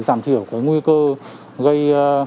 giảm thiểu cái nguy cơ gây